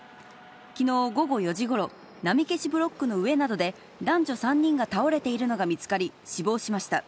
きのう午後４時ごろ、波消しブロックの上などで男女３人が倒れているのが見つかり、死亡しました。